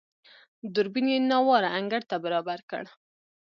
دوربين يې نااواره انګړ ته برابر کړ.